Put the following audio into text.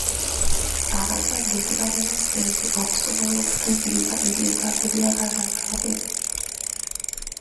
Abazadde tebalina ssente okusobola okutuukiriza ebyetaago by'abaana baabwe.